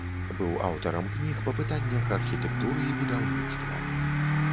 Быў аўтарам кніг па пытаннях архітэктуры і будаўніцтва.